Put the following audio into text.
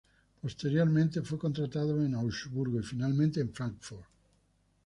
Posteriormente fue contratado en Augsburgo y finalmente en Fráncfort.